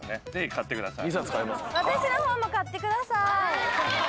買ってください！